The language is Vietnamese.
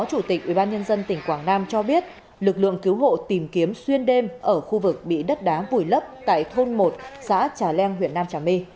chủ tịch ubnd tỉnh quảng nam cho biết lực lượng cứu hộ tìm kiếm xuyên đêm ở khu vực bị đất đá vùi lấp tại thôn một xã trà leng huyện nam trà my